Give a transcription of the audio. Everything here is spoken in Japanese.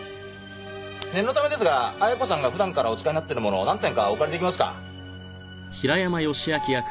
念のためですが亜矢子さんが普段からお使いになってるものを何点かお借り出来ますか？